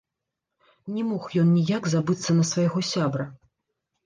Не мог ён ніяк забыцца на свайго сябра.